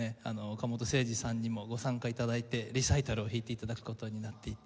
岡本誠司さんにもご参加頂いてリサイタルを弾いて頂く事になっていて。